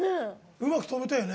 うまく止めたよね。